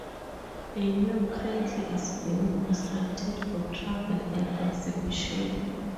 A new cradle is being constructed for travel and exhibition.